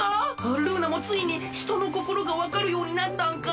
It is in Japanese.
ルーナもついにひとのこころがわかるようになったんか？